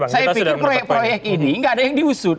saya pikir proyek proyek ini nggak ada yang diusut